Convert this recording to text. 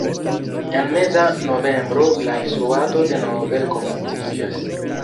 En meza novembro la instruado denove komenciĝas.